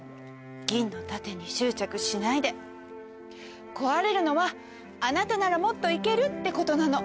銀の盾に執着しないで壊れるのはあなたならもっと行けるってことなの。